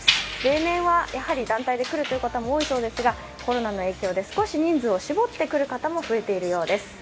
例年はやはり団体で来る方も多いそうですがコロナの影響で少し人数を絞ってくる方も多いそうです。